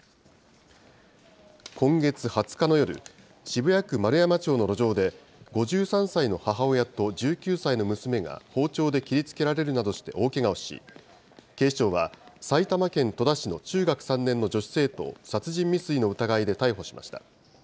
今月２０日の夜、渋谷区円山町の路上で、５３歳の母親と１９歳の娘が包丁で切りつけられるなどして大けがをし、警視庁は、埼玉県戸田市の中学３年の女子生徒を殺人未遂の疑いで逮捕しました。